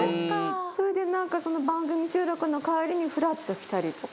それでなんかその番組収録の帰りにふらっと来たりとか。